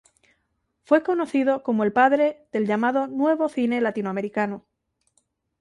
Fue conocido como el padre del llamado Nuevo Cine Latinoamericano.